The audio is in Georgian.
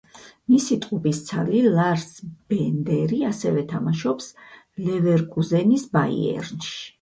მისი ტყუპისცალი, ლარს ბენდერი, ასევე თამაშობს „ლევერკუზენის ბაიერში“.